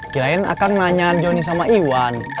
kirain akan nanya johnnie sama iwan